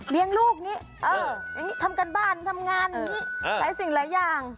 เลี้ยงลูกนี่เอออย่างงี้ทำการบ้านทำงานนี่เออหลายสิ่งหลายอย่าง